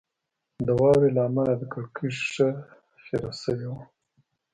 د واورې له امله د کړکۍ شیشه خیره شوې وه